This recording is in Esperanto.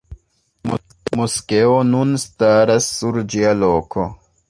Moskeo nun staras sur ĝia loko.